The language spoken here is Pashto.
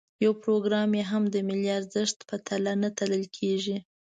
یو پروګرام یې هم د ملي ارزښت په تله نه تلل کېږي.